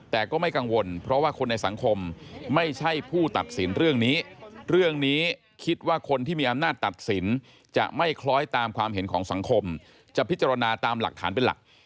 แต่ก็ไม่กังวลเพราะว่าคนในสังคมไม่ใช่ผู้ตัดสินเรื่องนี้เรื่องนี้คิดว่าคนที่มีอำนาจตัดสินจะไม่คล้อยตามความเห็นของสังคมจะพิจารณาตามหลักฐานเป็นหลัก